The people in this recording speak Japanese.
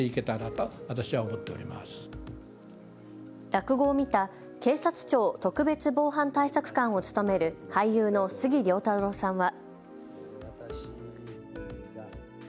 落語を見た警察庁特別防犯対策監を務める俳優の杉良太郎さんは。